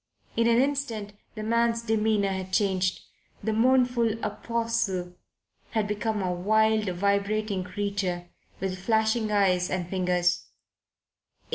In an instant the man's demeanour had changed. The mournful apostle had become a wild, vibrating creature with flashing eyes and fingers.